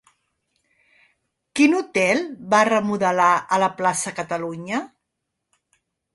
Quin hotel va remodelar a la plaça Catalunya?